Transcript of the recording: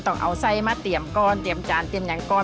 ต้องเอาไส้มาเตรียมก้อนเตรียมจานเตรียมอย่างก้อน